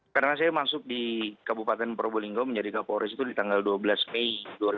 karena saya masuk di kabupaten progulinggo menjadi kapolres itu di tanggal dua belas mei dua ribu enam belas